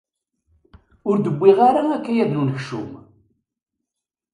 Ur d-yewwi ara akayad n unekcum.